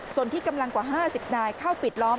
ส่วนที่กำลังกว่า๕๐นายเข้าปิดล้อม